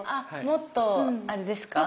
もっとあれですか？